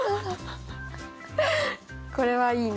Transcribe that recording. これはいいね。